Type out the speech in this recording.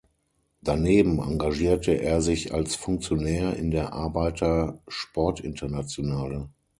Daneben engagierte er sich als Funktionär in der Arbeiter-Sportinternationale.